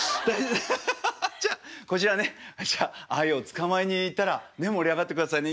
ハハハハじゃあこちらねじゃあ愛を捕まえに行ったら盛り上がってくださいね。